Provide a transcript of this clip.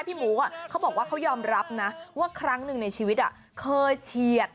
พี่หมูเขาบอกว่าเขายอมรับนะว่าครั้งหนึ่งในชีวิตเคยเฉียด